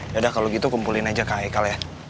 yaudah kalau gitu kumpulin aja ke aikal ya